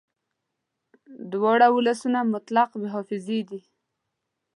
دواړه ولسونه مطلق بې حافظې دي